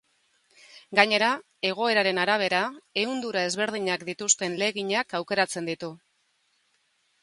Gainera, egoeraren arabera, ehundura ezberdinak dituzten legginak aukeratzen ditu.